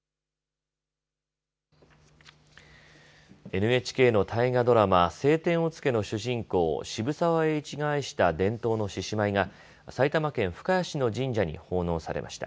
ＮＨＫの大河ドラマ、青天を衝けの主人公、渋沢栄一が愛した伝統の獅子舞が埼玉県深谷市の神社に奉納されました。